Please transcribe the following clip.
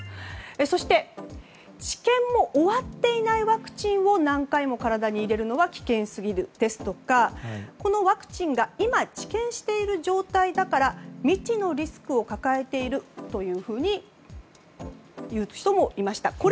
そして治験も終わっていないワクチンを何回も体に入れるのは危険すぎるですとかこのワクチンが今治験している状態だから未知のリスクを抱えているというふうに言う人もいました。